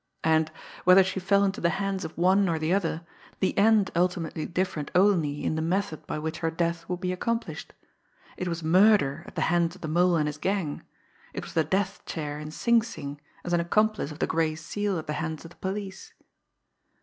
And, whether she fell into the hands of one or the other, the end ultimately differed only in the method by which her death would be accomplished; it was murder at the hands of the Mole and his gang; it was the death chair in Sing Sing as an accomplice of the Gray Seal at the hands of the police.